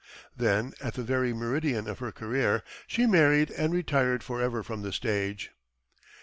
Then, at the very meridian of her career, she married and retired forever from the stage.